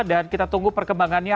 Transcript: dan kita tunggu perkembangannya